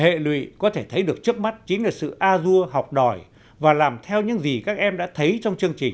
hệ lụy có thể thấy được trước mắt chính là sự a dua học đòi và làm theo những gì các em đã thấy trong chương trình